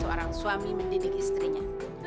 ben kenapa lu berhenti di sini